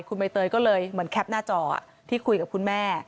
คุณใบเตยก็เลยเหมือนแคปหน้าจอที่คุยกับคุณแม่